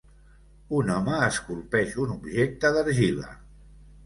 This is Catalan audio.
Un home esculpeix un objecte d'argila.